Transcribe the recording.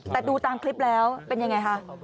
แต่ดูตามคลิปแล้วเป็นยังไงคะ